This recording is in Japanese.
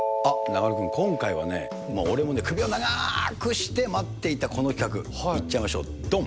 中丸君、今回はね、俺もね、首を長くして待っていたこの企画、いっちゃいましょう、どん。